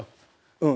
うん。